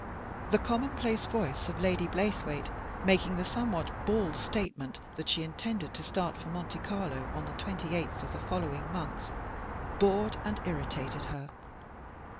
The commonplace voice of Lady Blaythewaite, making the somewhat bald statement that she intended to start for Monte Carlo on the 28th of the following month, bored and irritated her.